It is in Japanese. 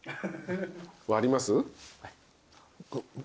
割ります？